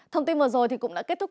thông tin vừa rồi cũng đã kết thúc